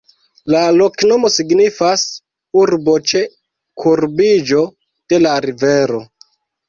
La loknomo signifas: urbo ĉe kurbiĝo de la rivero.